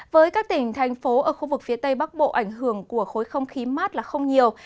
với các tỉnh thành phố ở khu vực phía tây bắc bộ ảnh hưởng của khối không khí mát là không nhiều